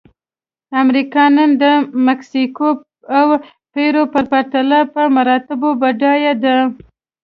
امریکا نن د مکسیکو او پیرو په پرتله په مراتبو بډایه ده.